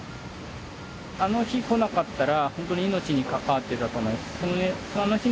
あの日来なかったらほんとに命に関わってたと思います。